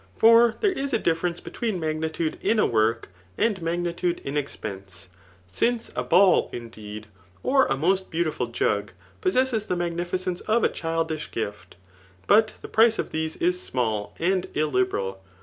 For 4iere is a differenoe between magnitude m a work^ and magnitude in expense ; since a ball, indeed, or a moit 1)eaiitifiil jug, possess the magnificence of a childish gift ; but the price of these is small and illiberal.